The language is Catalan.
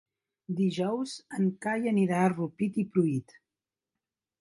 Dijous en Cai anirà a Rupit i Pruit.